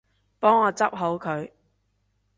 幫我執好佢